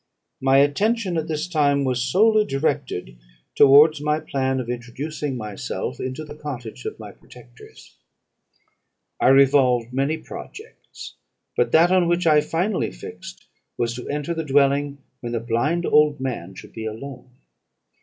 My attention, at this time, was solely directed towards my plan of introducing myself into the cottage of my protectors. I revolved many projects; but that on which I finally fixed was, to enter the dwelling when the blind old man should be alone.